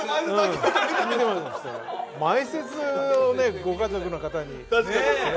前説をご家族の方にね。